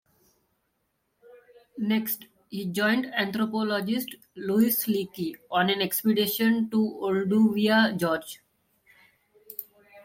Next, he joined anthropologist Louis Leakey on an expedition to Olduvai Gorge.